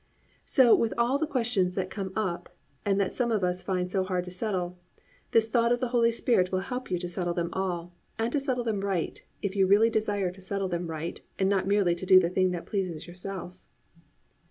So with all the questions that come up and that some of us find so hard to settle, this thought of the Holy Spirit will help you to settle them all, and to settle them right, if you really desire to settle them right and not merely to do the thing that pleases yourself.